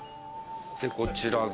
でこちらが。